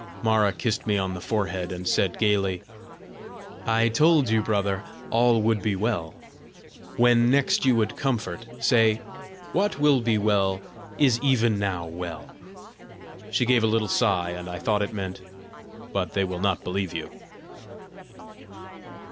Mara kissed me on the forehead, and said, gayly, "I told you, brother, all would be well! When next you would comfort, say, 'What will be well, is even now well.'" She gave a little sigh, and I thought it meant, "But they will not believe you!"